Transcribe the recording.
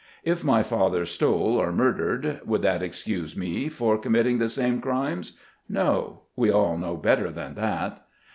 If my father stole, or murdered, would that excuse me for committing the same crimes ? No ; we all know better than that.